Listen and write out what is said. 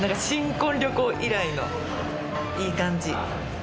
新婚旅行以来のいい感じ。